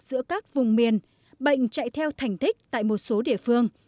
giữa các vùng miền bệnh chạy theo thành thích tại một số địa phương